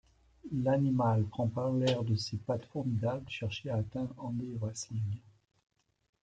L’animal, frappant l’air de ses pattes formidables, cherchait à atteindre André Vasling.